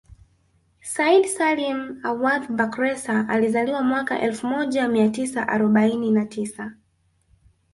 Said Salim Awadh Bakhresa alizaliwa mwaka elfu moja mia tisa arobaini na tisa